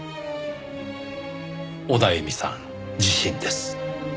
オダエミさん自身です。